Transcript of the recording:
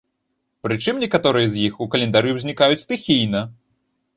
Прычым некаторыя з іх у календары ўзнікаюць стыхійна.